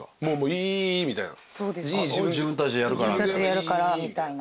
いいいいみたいな。